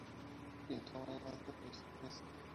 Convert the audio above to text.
Pintó mayormente paisajes.